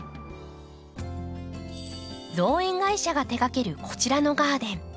造園会社が手がけるこちらのガーデン。